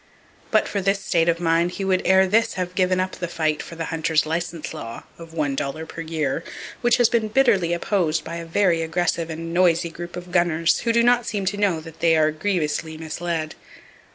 But for this state of mind he would ere this have given up the fight for the hunter's license law (of one dollar per year), which has been bitterly opposed by a very aggressive and noisy group of gunners who do not seem to know that they are grievously misled.